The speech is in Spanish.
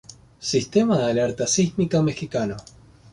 Sistema de Alerta Sísmica Mexicano